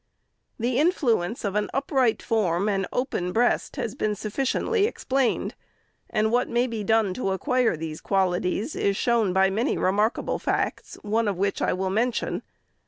" The influence of an upright form and open breast has been sufficiently explained ; and what may be done to acquire these qualities, is shown by many remarkable facts, one of which I will mention.